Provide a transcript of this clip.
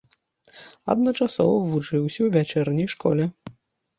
Адначасова вучыўся ў вячэрняй школе.